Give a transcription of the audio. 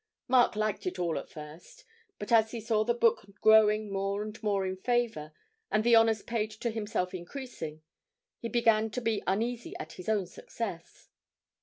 Mark liked it all at first, but as he saw the book growing more and more in favour, and the honours paid to himself increasing, he began to be uneasy at his own success.